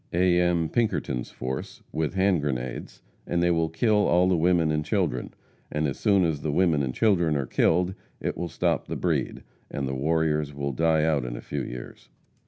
A. M. Pinkerton's force, with hand grenades, and they will kill all the women and children, and as soon as the women and children are killed it will stop the breed, and the warriors will die out in a few years.